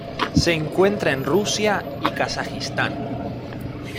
Se encuentra en Rusia y Kazajistán.